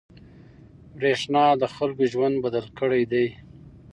برېښنا د خلکو ژوند بدل کړی دی.